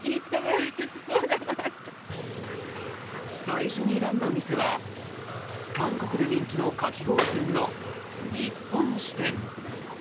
最初に選んだ店は韓国で人気のかき氷店の日本支店。